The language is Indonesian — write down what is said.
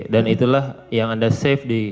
dan itulah yang anda save di